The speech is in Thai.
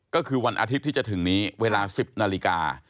ก็คือวันอาทิตย์ที่จะถึงนี้เวลา๑๐นาฬิกา